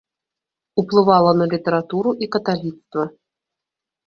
Уплывала на літаратуру і каталіцтва.